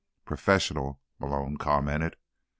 "Professional," Malone commented.